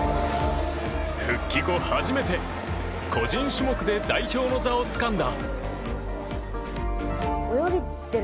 復帰後、初めて個人種目で代表の座をつかんだ。